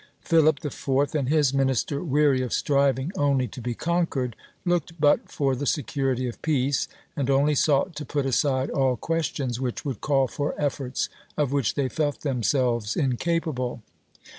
Philip IV. and his minister, weary of striving only to be conquered, looked but for the security of peace, and only sought to put aside all questions which would call for efforts of which they felt themselves incapable.